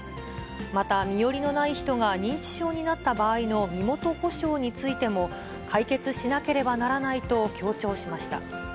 また、身寄りのない人が認知症になった場合の身元保証についても、解決しなければならないと強調しました。